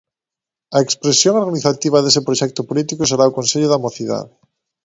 A expresión organizativa dese proxecto político será o Consello da Mocidade.